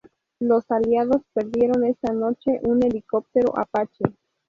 Los aliados perdieron esa noche un helicóptero Apache.